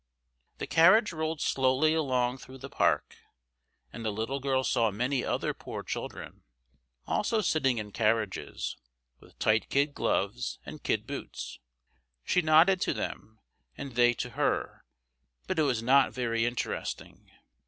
The carriage rolled slowly along through the park, and the little girl saw many other poor children, also sitting in carriages, with tight kid gloves and kid boots; she nodded to them, and they to her, but it was not very interesting.